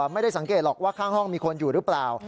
ไม่ได้สังเกตหรอกว่าข้างห้องมีคนอยู่หรือเปล่า